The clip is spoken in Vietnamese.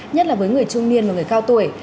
nhất là với người trung niên và người cao tuổi